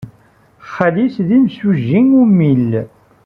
Xali-s d imsujji ummil.